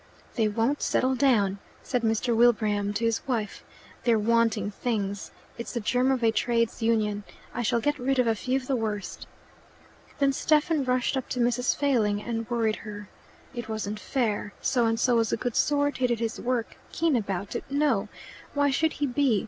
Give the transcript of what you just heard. "They won't settle down," said Mr. Wilbraham to his wife. "They're wanting things. It's the germ of a Trades Union. I shall get rid of a few of the worst." Then Stephen rushed up to Mrs. Failing and worried her. "It wasn't fair. So and so was a good sort. He did his work. Keen about it? No. Why should he be?